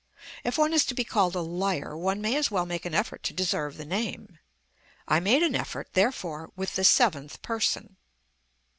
If one is to be called a liar, one may as well make an effort to deserve the name. I made an effort, therefore, with the seventh person.